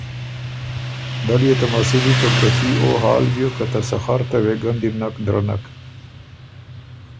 دل يې ته مسُودی ته برکي او حال بیوک که ته سخر ته وېګه ن دی بو نک درَّنک۔